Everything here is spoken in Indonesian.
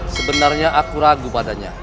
sebenarnya aku ragu padanya